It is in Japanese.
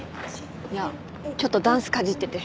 いやちょっとダンスかじってて。